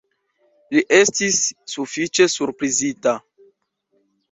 Li estis sufiĉe surprizita.